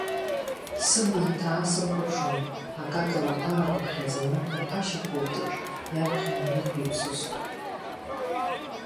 Сыбла ҭаа срыхәаԥшуан, акакала аԥарақәа ԥхьаӡаны аԥашьа хылтыҿ иаԥхьа ианықәиԥсоз.